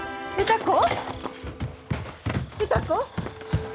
歌子？